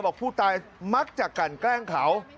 บอกผู้ตายมักจะกันแกล้งเขา